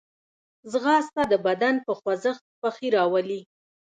ځغاسته د بدن په خوځښت خوښي راولي